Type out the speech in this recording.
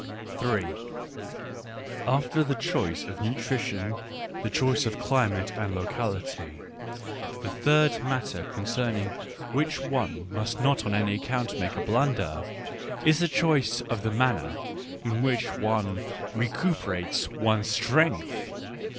After the choice of nutrition, the choice of climate and locality, the third matter concerning which one Digitized by Google S 36 ECCE HOMO must not on any account make a blunder, is the choice of the manner in which one recuperates one's strength.